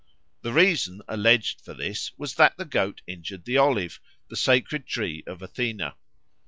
The reason alleged for this was that the goat injured the olive, the sacred tree of Athena.